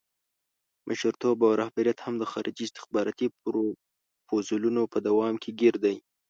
مشرتوب او رهبریت هم د خارجي استخباراتي پروفوزلونو په دام کې ګیر دی.